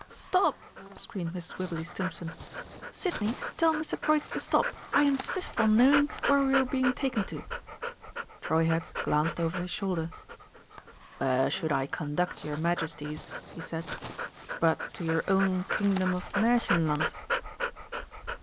"Stop!" screamed Mrs. Wibberley Stimpson, "Sidney, tell Mr. Troitz to stop! I insist on knowing where we are being taken to!" Treuherz glanced over his shoulder. "Where should I conduct your Majesties," he said, "but to your own Kingdom of Märchenland?"